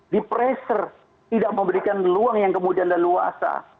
di pressure tidak memberikan ruang yang kemudian dan luasa